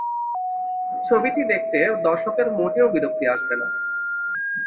ছবিটি দেখতে দর্শকের মোটেও বিরক্তি আসবে না।